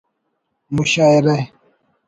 مشاعرہ